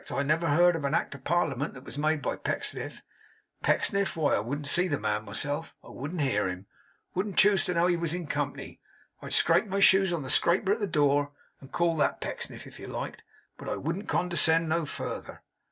I never heard of any act of Parliament, as was made by Pecksniff. Pecksniff! Why, I wouldn't see the man myself; I wouldn't hear him; I wouldn't choose to know he was in company. I'd scrape my shoes on the scraper of the door, and call that Pecksniff, if you liked; but I wouldn't condescend no further.